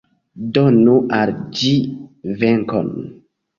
Donu al ĝi venkon!